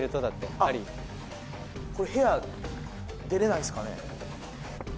だって針これ部屋出れないっすかね？